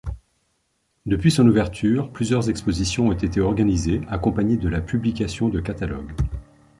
Depuis son ouverture, plusieurs expositions ont été organisées, accompagnées de la publication de catalogues.